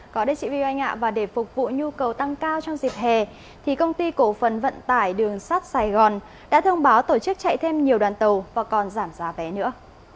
có địa chỉ vi anh ạ và để phục vụ nhu cầu tăng cao trong dịp hè thì công ty cổ phần vận tải đường sắt sài gòn đã thông báo tổ chức chạy thêm nhiều đoàn tàu và còn giảm giá vé nữa